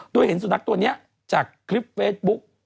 ด้วยเห็นสูนักตัวเนี่ยจากคลิปเฟซบุ๊ค